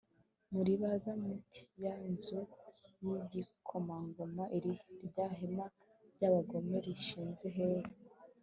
muribaza muti 'ya nzu y'igikomangoma iri he? rya hema ry'abagome rishinze hehe